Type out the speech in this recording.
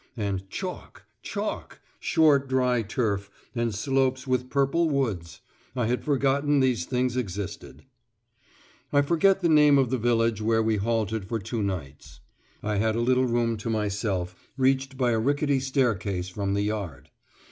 And chalk! chalk! short dry turf, and slopes with purple woods! I had forgotten these things existed. I forget the name of the village where we halted for two nights. I had a little room to myself, reached by a rickety staircase from the yard.